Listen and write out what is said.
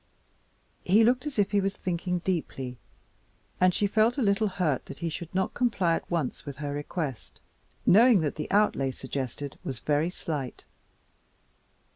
He looked as if he was thinking deeply and she felt a little hurt that he should not comply at once with her request, knowing that the outlay suggested was very slight.